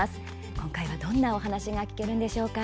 今回は、どんなお話が聞けるのでしょうか？